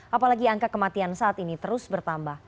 apalagi angka kematian saat ini terus bertambah